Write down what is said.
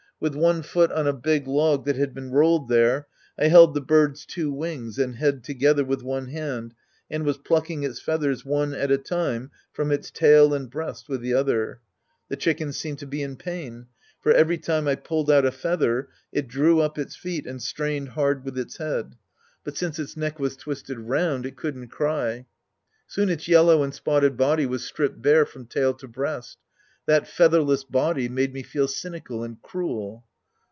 With one foot on a big log that had been rolled there, I held the bird's two wings and head together with one hand and was plucking its feathers one at a time from its tail and breast with the other. The chicken seemed to be in pain, for every time I pulled out a feather, it drew up its feet and strained hard with its head, but since its neck Sc. 11 The Priest and His Disciples 37 was twisted round, it couldn't cry. Soon its yellow and spotted body was stripped bare from tail to breast. That featherless body made me feel cynical and cruel.